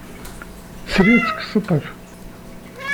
Srid seg Sṭif.